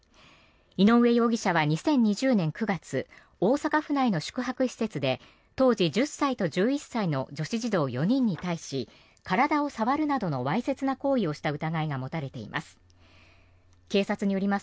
井上容疑者は２０２０年９月大阪府内の宿泊施設で当時１０歳と１１歳の女子児童４人に対し体を触るなどのわいせつな行為をした疑いが持たれています。